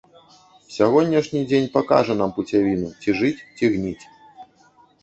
Сягонняшні дзень пакажа нам пуцявіну, ці жыць, ці гніць.